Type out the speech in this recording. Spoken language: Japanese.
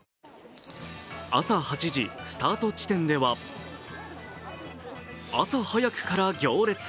朝８時、スタート地点では朝早くから行列。